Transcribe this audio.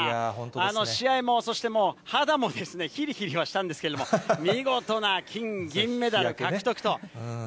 試合もそしてもう、肌もひりひりはしたんですけれども、見事な金銀メダル獲得と。